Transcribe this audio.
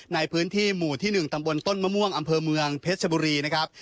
ในพื้นที่หมู่ที่๑ตำบลต้นมะม่วงอำเภอเมืองเพชรชบุรีนะครับ